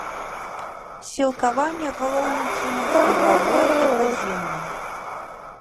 Сілкаванне галоўным чынам снегавое і падземнае.